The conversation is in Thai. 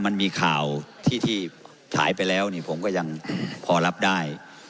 มันมีข่าวที่ถ่ายไปแล้วนี่ผมก็ยังพอรับได้